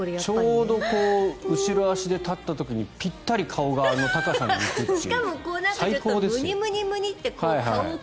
ちょうど後ろ足で立った時にピッタリ顔があの高さに行くという。